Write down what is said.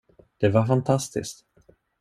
Det var fantastiskt!